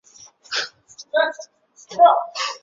大淡大道使用开放式收费系统。